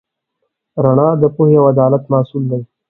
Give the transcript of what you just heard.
رڼا د پوهې او عدالت محصول دی.